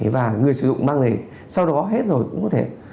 và người sử dụng mang về sau đó hết rồi cũng có thể